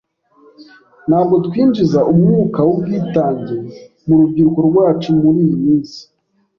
Ntabwo twinjiza umwuka wubwitange mu rubyiruko rwacu muriyi minsi